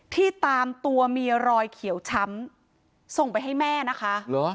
ตามตัวมีรอยเขียวช้ำส่งไปให้แม่นะคะเหรอ